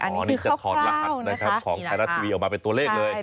อันนี้คือข้าวของไทรรัสทีวีออกมาเป็นตัวเลขเลย